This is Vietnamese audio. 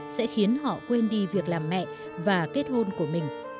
sẽ khiến họ quên đi việc làm mẹ và kết hôn của mình